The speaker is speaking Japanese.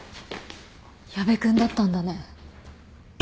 矢部君だったんだね。